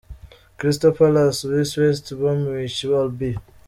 Crystal Palace v West Bromwich Albion.